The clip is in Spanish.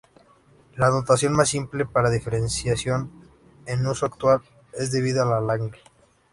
La notación más simple para diferenciación, en uso actual, es debida a Lagrange.